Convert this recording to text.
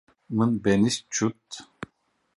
Min benîşt cût.